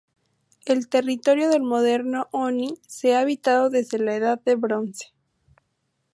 El territorio del moderno Oni se ha habitado desde la edad de bronce.